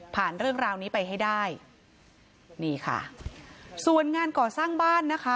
เรื่องราวนี้ไปให้ได้นี่ค่ะส่วนงานก่อสร้างบ้านนะคะ